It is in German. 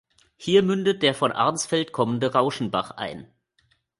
Hier mündet der von Arnsfeld kommende Rauschenbach ein.